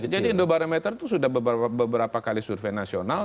jadi indobarometer itu sudah beberapa kali survei nasional